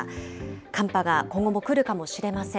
寒波が今後も来るかもしれません。